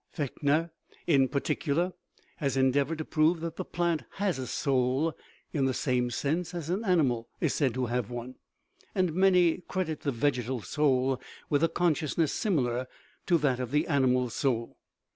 Fechner, in particular, has endeavored to prove that the plant has a " soul/' in the same sense as an animal is said to have one ; and many credit the vegetal soul with a consciousness similar to that of the animal soul.